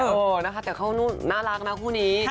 เออนะคะแต่เขาน่ารักนะคู่นี้